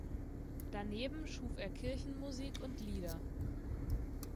Daneben schuf er Kirchenmusik und Lieder.